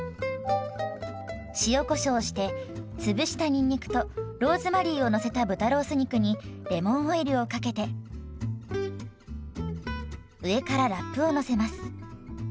塩こしょうして潰したにんにくとローズマリーをのせた豚ロース肉にレモンオイルをかけて上からラップをのせます。